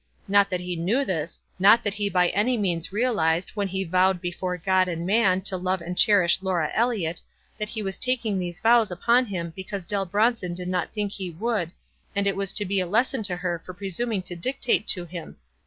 Not that he knew this — not that he by any means realized when he vowed before God and man to love and cher ish Laura Elliot, that he was taking those vows upon him because Dell Bronson did not think he would, and it was to be a lesson to her for pre suming to dictate to him.